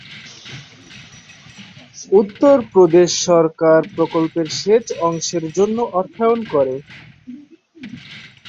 উত্তরপ্রদেশ সরকার প্রকল্পের সেচ অংশের জন্য অর্থায়ন করে।